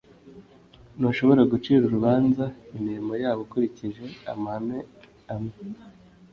ntushobora gucira urubanza imirimo yabo ukurikije amahame amwe